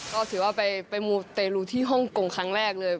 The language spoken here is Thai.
ก็ถือว่าไปมูเตรลูที่ฮ่องกงครั้งแรกเลย